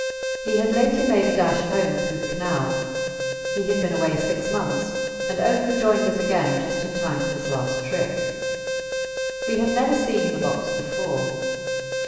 He had lately made a dash home through the Canal. He had been away six months, and only joined us again just in time for this last trip. We had never seen the box before.